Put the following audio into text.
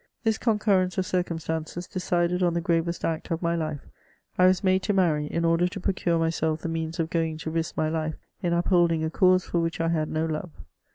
Tnis concurrence of circumstances decided on the gravest act of my life ; I was made to marry, in order to procure myself the means of going to risk my life in upholding a cause for which I had no love.